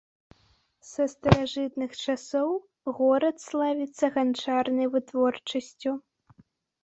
Са старажытных часоў горад славіцца ганчарнай вытворчасцю.